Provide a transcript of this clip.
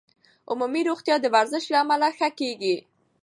عمومي روغتیا د ورزش له امله ښه کېږي.